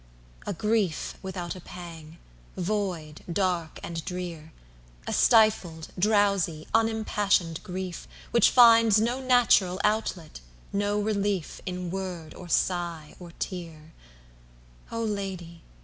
IIA grief without a pang, void, dark, and drear,A stifled, drowsy, unimpassioned grief, Which finds no natural outlet, no relief, In word, or sigh, or tear—O Lady!